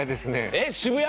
えっ渋谷！？